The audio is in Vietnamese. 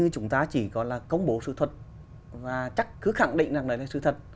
chúng ta chỉ có là công bố sự thật và chắc cứ khẳng định rằng đấy là sự thật